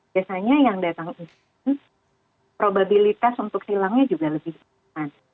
biasanya yang datang itu probabilitas untuk silangnya juga lebih aman